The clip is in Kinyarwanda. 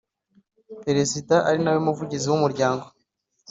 Perezida ari nawe muvugizi w umuryango